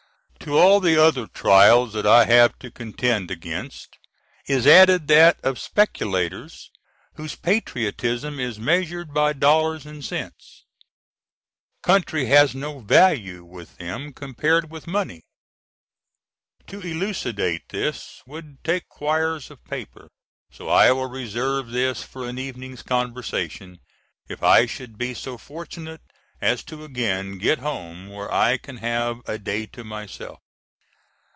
To all the other trials that I have to contend against, is added that of speculators whose patriotism is measured by dollars and cents. Country has no value with them compared with money. To elucidate this would take quires of paper. So I will reserve this for an evening's conversation, if I should be so fortunate as to again get home where I can have a day to myself.